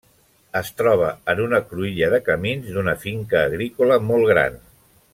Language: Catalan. Es troba en una cruïlla de camins d'una finca agrícola molt gran.